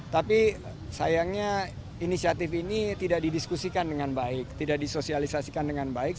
tapi sayangnya inisiatif ini tidak didiskusikan dengan baik tidak disosialisasikan dengan baik